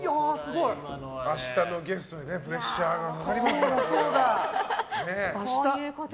明日のゲストにプレッシャーがかかりますね。